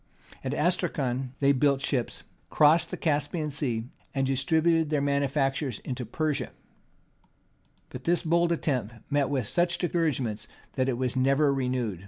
At Astracan they built ships, crossed the Caspian Sea, and distributed their manufactures into Persia. But this bold attempt met with such discouragements, that it was never renewed.[] * Camden, p. 408. Camden, p. 493.